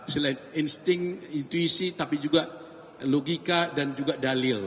selain insting intuisi tapi juga logika dan juga dalil